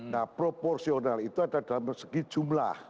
nah proporsional itu ada dalam segi jumlah